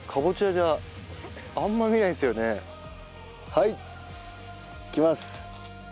はいいきます。